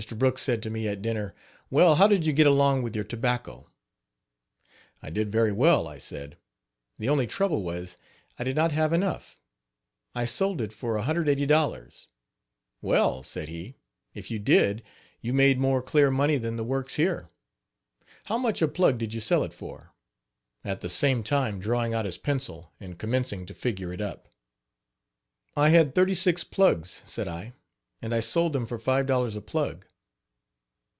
Brooks said to me at dinner: "Well, how did you get along with your tobacco?" "I did very well," I said, "the only trouble was I did not have enough. I sold it for $180." "Well," said he, "if you did, you made more clear money than the works here. How much a plug did you sell it for?" at the same time drawing out his pencil and commencing to figure it up. "I had thirty six plugs," said I, "and I sold them for five dollars a plug.